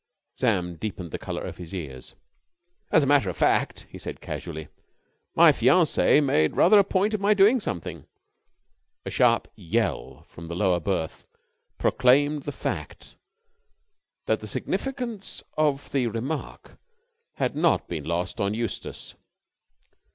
Sam deepened the colour of his ears. "As a matter of fact," he said casually, "my fiancee made rather a point of my doing something." A sharp yell from the lower berth proclaimed the fact that the significance of the remark had not been lost on Eustace.